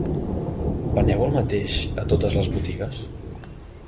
Veneu el mateix a totes les botigues?